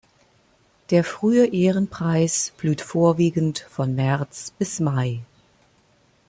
Der Frühe Ehrenpreis blüht vorwiegend von März bis Mai.